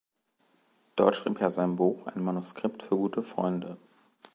Dort schrieb er sein Buch „Ein Manuscript für gute Freunde“.